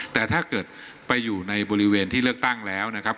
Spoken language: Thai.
แต่ถ้าเกิดไปอยู่ในบริเวณที่เลือกตั้งแล้วนะครับ